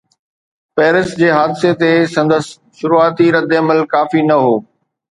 Paris جي حادثي تي سندس شروعاتي رد عمل ڪافي نه هو.